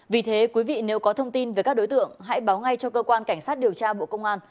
vì thế quý vị nếu có thông tin về các đối tượng hãy báo ngay cho cơ quan cảnh sát điều tra bộ công an